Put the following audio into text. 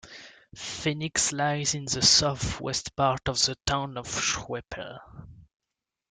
Phoenix lies in the southwest part of the town of Schroeppel.